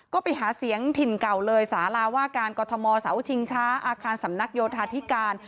ก็ไปหาเสียงถิ่นเก่าเลยสาราว่าการกรทมเสาชิงช้าอาคารสำนักโยธาธิการ